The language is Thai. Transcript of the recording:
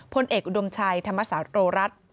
พลเอกอุดมชัยธรรมศาสโตรัส